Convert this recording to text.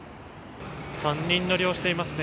３人乗りをしていますね。